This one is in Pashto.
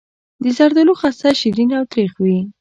د زردالو خسته شیرین او تریخ وي.